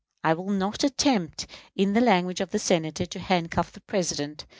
I will not attempt, in the language of the Senator, to handcuff the President.